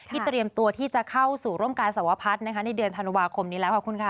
เตรียมตัวที่จะเข้าสู่ร่วมการสวพัฒน์ในเดือนธันวาคมนี้แล้วขอบคุณค่ะ